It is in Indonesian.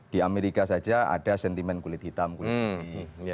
di amerika saja ada sentimen kulit hitam kulit hitam